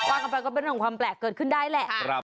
ว่ากันไปก็เป็นเรื่องของความแปลกเกิดขึ้นได้แหละ